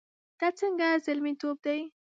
دا څنګه زلميتوب دی؟